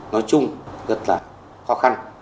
nói chung rất là khó khăn